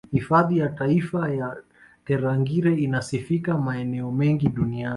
Hifadhi ya taifa ya Tarangire inasifika maeneo mengi Duniani